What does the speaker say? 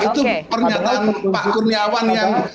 itu pernyataan pak kurniawan yang